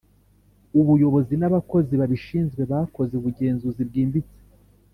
Ubuyobozi n abakozi babishinzwe bakoze ubugenzuzi bwimbitse